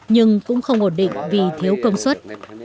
nhưng cũng không ổn định vì thiếu công suất